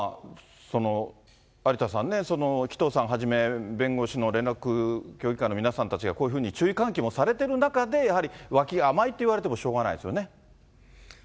有田さんね、紀藤さんはじめ、弁護士の連絡協議会の皆さんたちがこういうふうに注意喚起もされてる中で、やはり脇が甘いと言われてもしょうがないですよね。